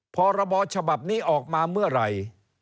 พรบฉบับนี้ออกมาเมื่อไหร่